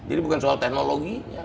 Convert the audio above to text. itu bukan soal teknologi